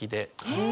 へえ。